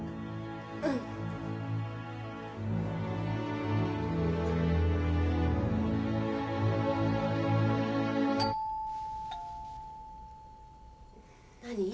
うん。何？